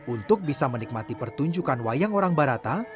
untuk bisa menikmati pertunjukan wayang orang barata